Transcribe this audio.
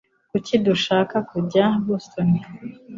Kuki dushaka kujya i Boston?